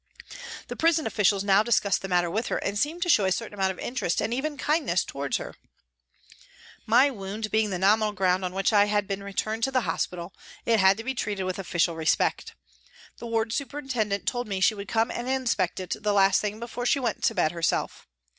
The prison officials now discussed the matter with her and seemed to show a certain amount of interest and even kindness towards her. My wound being the nominal ground on which I had been returned to hospital, it had to be treated with official respect. The ward superintendent told me she would come and inspect it the last thing before she went to bed herself.